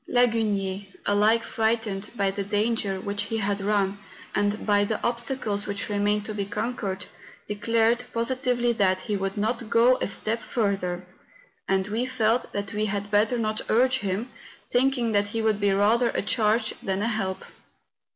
Lagunier, alike frightened by the danger which he had run, and by the obstacles which remained to be conquered, declared positively that he would not go a step fur¬ ther ; and we felt that we had better not urge him, thinking that he would be rather a charge than a help.